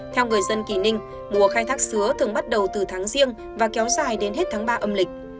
theo người dân kỳ ninh mùa khai thác sứa thường bắt đầu từ tháng riêng và kéo dài đến hết tháng ba âm lịch